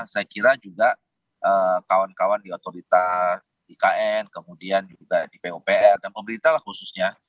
saya kira juga kawan kawan di otoritas ikn kemudian juga di pupr dan pemerintah lah khususnya